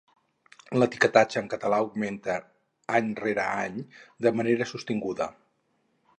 L'etiquetatge en català augmenta any rere any de manera sostinguda.